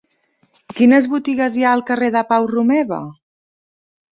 Quines botigues hi ha al carrer de Pau Romeva?